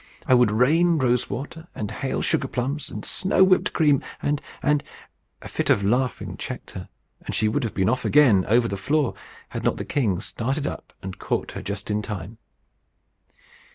I would rain rose water, and hail sugar plums, and snow whipped cream, and and and " A fit of laughing checked her; and she would have been off again over the floor, had not the king started up and caught her just in time.